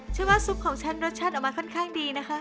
ชื่อว่าซุปของฉันรสชาติออกมาค่อนข้างดีนะคะ